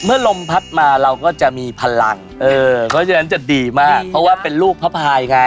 ลมพัดมาเราก็จะมีพลังเออเพราะฉะนั้นจะดีมากเพราะว่าเป็นลูกพระพายไง